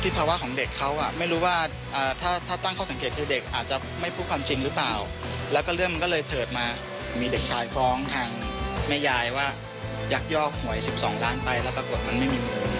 ยักษ์ยอกหวย๑๒ล้านไปแล้วปรากฏมันไม่มีโมง